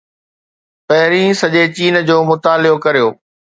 پهرين سڄي چين جو مطالعو ڪريو.